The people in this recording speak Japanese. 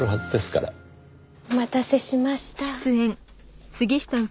お待たせしました。